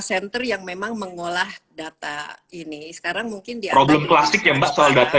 center yang memang mengolah data ini sekarang mungkin dia problem plastik yang besar data